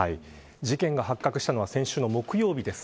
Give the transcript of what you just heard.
事件が発覚したのは先週の木曜日です。